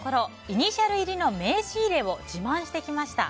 イニシャル入りの名刺入れを自慢してきました。